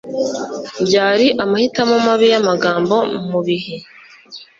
byari amahitamo mabi yamagambo mubihe